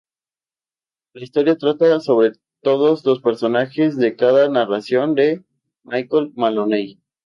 La historia trata sobre todos los personajes con cada narración de Michael Maloney.